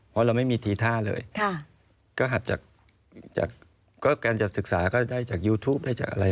เพราะเราไม่มีทีท่าเลยก็หัดจากการศึกษาก็ได้จากยูทูป